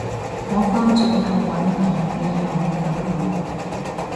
我返轉頭搵你，你又唔等我